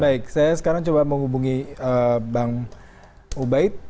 baik saya sekarang coba menghubungi bang ubaid